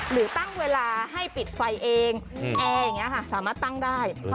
หรือตั้งเวลาให้ปิดไฟเองแอร์สามารถตั้งได้